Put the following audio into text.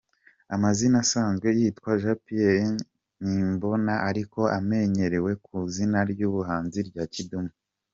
Amazina asanzwe yitwa Jean Pierre Nimbona ariko amenyerewe ku izina ry’ubuhanzi rya Kidum.